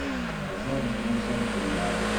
Rẓagit wussan fell-aɣ.